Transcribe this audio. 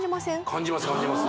感じます感じます